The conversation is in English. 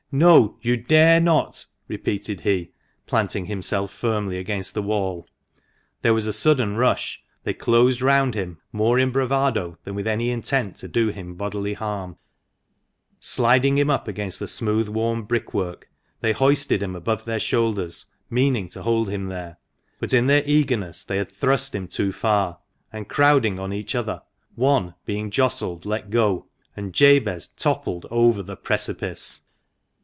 " No, you dare not !" repeated he, planting himself firmly against the wall. There was a sudden rush ; they closed round him, more in bravado than with any intent to do him bodily harm ; sliding him up against the smooth worn brickwork, they hoisted him above their shoulders, meaning to hold him there. But in their eagerness they had thrust him too far, and crowding on each other, one, being jostled, let go, and Jabez toppled over the precipice